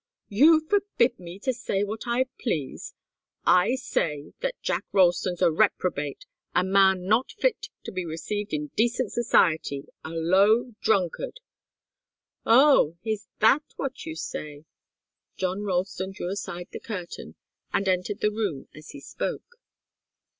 You forbid me to say what I please! I say that John Ralston's a reprobate, a man not fit to be received in decent society, a low drunkard " "Oh! Is that what you say?" John Ralston drew aside the curtain, and entered the room as he spoke.